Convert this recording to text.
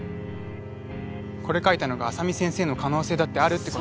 これ書いたのが浅海先生の可能性だってあるって事。